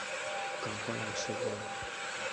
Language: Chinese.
赶快来吃钩